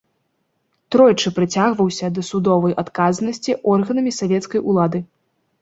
Тройчы прыцягваўся да судовай адказнасці органамі савецкай улады.